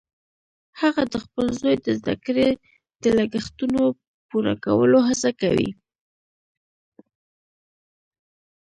هغه د خپل زوی د زده کړې د لګښتونو پوره کولو هڅه کوي